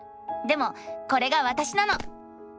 でもこれがわたしなの！